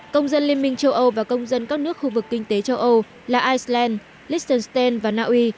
công dân liên minh châu âu và công dân các nước khu vực kinh tế châu âu là iceland listonstein và naui